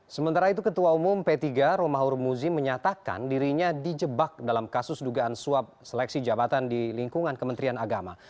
sementara itu ketua umum p tiga romahur muzi menyatakan dirinya dijebak dalam kasus dugaan suap seleksi jabatan di lingkungan kementerian agama